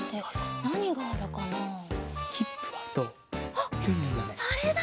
あっそれだ！